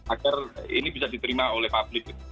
agar ini bisa diterima oleh publik